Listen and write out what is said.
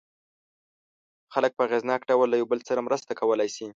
خلک په اغېزناک ډول له یو بل سره مرسته کولای شي.